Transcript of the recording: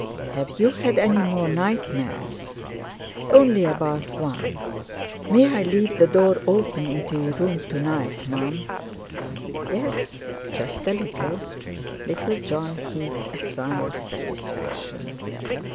"Have you had any more nightmares?" "Only about one. May I leave the door open into your room to night, Mum?" "Yes, just a little." Little Jon heaved a sigh of satisfaction.